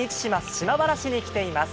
島原市に来ています。